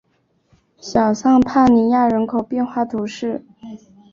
小尚帕尼亚人口变化图示